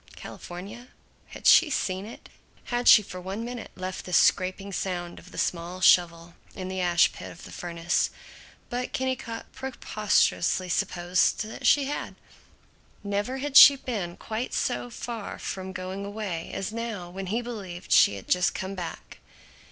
California? Had she seen it? Had she for one minute left this scraping sound of the small shovel in the ash pit of the furnace? But Kennicott preposterously supposed that she had. Never had she been quite so far from going away as now when he believed she had just come back.